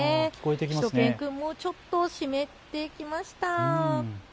しゅと犬くんもちょっと湿ってきました。